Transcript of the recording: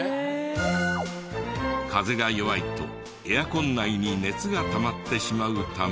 風が弱いとエアコン内に熱がたまってしまうため。